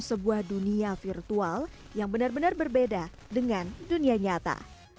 sebuah dunia virtual yang benar benar berbeda dengan dunia nyata